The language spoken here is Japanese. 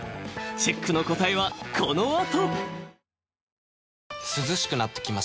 チェックの答えはこの後！］